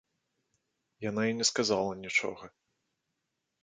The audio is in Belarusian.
Яна і не сказала нічога.